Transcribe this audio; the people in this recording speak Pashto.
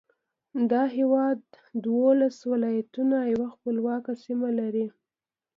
دا هېواد دولس ولایتونه او یوه خپلواکه سیمه لري.